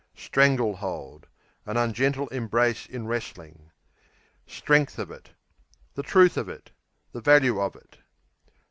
Strangle hold An ungentle embrace in wrestling. Strength of it The truth of it; the value of it.